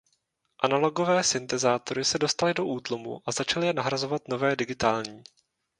Analogové syntezátory se dostaly do útlumu a začaly je nahrazovat nové digitální.